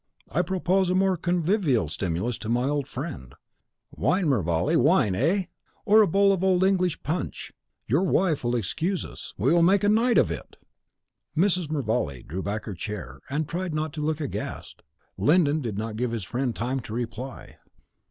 I propose a more convivial stimulus to my old friend. Wine, Mervale, wine, eh! or a bowl of old English punch. Your wife will excuse us, we will make a night of it!" Mrs. Mervale drew back her chair, and tried not to look aghast. Glyndon did not give his friend time to reply.